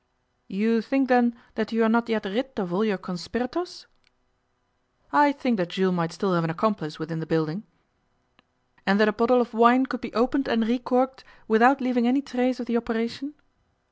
'You think, then, that you are not yet rid of all your conspirators?' 'I think that Jules might still have an accomplice within the building.' 'And that a bottle of wine could be opened and recorked without leaving any trace of the operation?